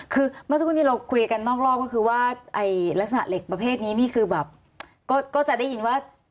คือเมื่อช่วงที่เราคุยกันนอกรอบก็คือว่าลักษณะเหล็กพอเพศนี้ก็จะได้ยินว่า